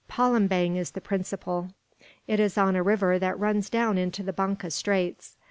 Palembang is the principal. It is on a river that runs down into the Banca Straits.